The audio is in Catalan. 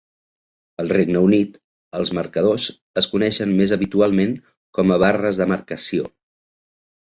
Al Regne Unit, els marcadors es coneixen més habitualment com a barres de marcació.